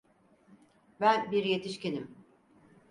Ben bir yetişkinim.